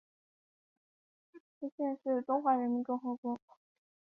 徽县是中华人民共和国甘肃省陇南市下属的一个县。